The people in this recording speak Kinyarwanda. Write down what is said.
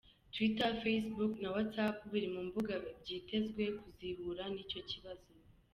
Twitter, Facebook na WatsApp biri mu mbuga vyitezwe ko zihura n'ico kibazo.